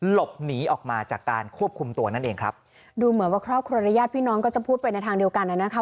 หลบหนีออกมาจากการควบคุมตัวนั่นเองครับดูเหมือนว่าครอบครัวและญาติพี่น้องก็จะพูดไปในทางเดียวกันน่ะนะคะ